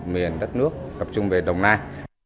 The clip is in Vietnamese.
miền đất nước tập trung về đồng nai